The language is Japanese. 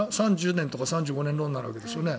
３０年とか３５年ローンになるわけですよね。